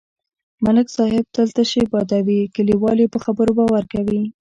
ملک صاحب تل تشې بادوي، کلیوال یې په خبرو باور کوي.